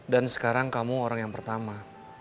dan sekarang kamu orang yang pertama